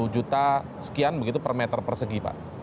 dua puluh juta sekian begitu per meter persegi pak